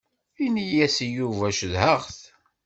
Ini-as i Yuba cedhaɣ-t.